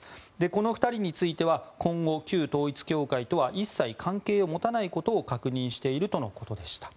この２人については今後、旧統一教会とは一切関係を持たないことを確認しているとのことでした。